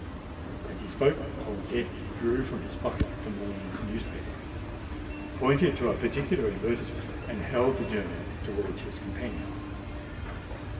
As he spoke, Old Death drew from his pocket the morning's newspaper, pointed to a particular advertisement, and held the journal towards his companion.